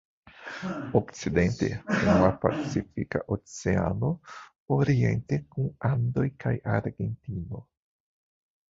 Okcidente kun la Pacifika Oceano, oriente kun Andoj kaj Argentino.